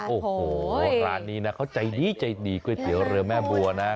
โอ้โหร้านนี้นะเขาใจดีใจดีก๋วยเตี๋ยวเรือแม่บัวนะ